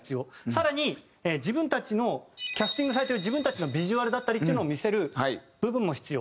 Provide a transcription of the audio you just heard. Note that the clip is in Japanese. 更に自分たちのキャスティングされてる自分たちのビジュアルだったりっていうのを見せる部分も必要。